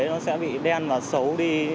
nó sẽ bị đen và xấu đi